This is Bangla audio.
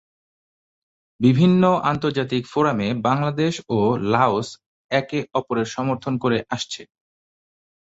বিভিন্ন আন্তর্জাতিক ফোরামে বাংলাদেশ ও লাওস একে অপরের সমর্থন করে আসছে।